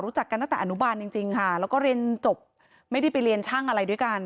รู้จักกันตั้งแต่อนุบาลจริงค่ะแล้วก็เรียนจบไม่ได้ไปเรียนช่างอะไรด้วยกัน